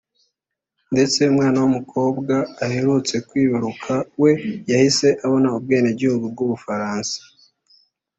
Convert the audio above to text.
ndetse umwana w’umukobwa aherutse kwibaruka we yahise abona ubwenegihugu bw’u Bufaransa